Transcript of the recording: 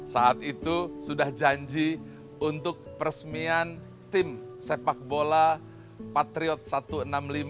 saat itu sudah janji untuk peresmian tim sepak bola patriot satu ratus enam puluh lima fc atau football club